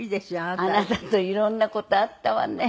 あなたと色んな事あったわね。